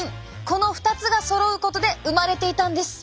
この２つがそろうことで生まれていたんです！